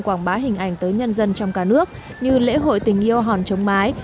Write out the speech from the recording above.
quảng bá hình ảnh tới nhân dân trong cả nước như lễ hội tình yêu hòn chống mái